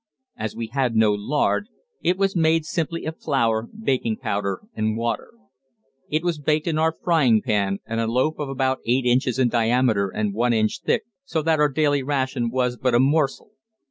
As we had no lard, it was made simply of flour, baking powder, and water. It was baked in our frying pan, and a loaf was about eight inches in diameter and one inch thick, so that our daily ration was but a morsel.